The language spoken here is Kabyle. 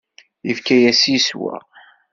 Yefka-yas yeswa.